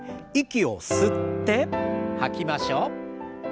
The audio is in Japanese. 息を吸って吐きましょう。